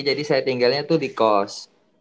jadi saya tinggalnya tuh di kos